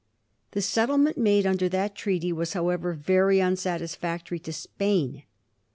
The settlement made under that treaty was, however, very unsatis factory to Spain.